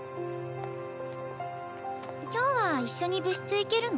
今日は一緒に部室行けるの？